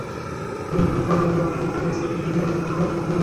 গতকাল কড়া নিরাপত্তার মধ্য দিয়ে স্থগিত কেন্দ্রগুলোতে ভোট গ্রহণ সম্পন্ন হয়।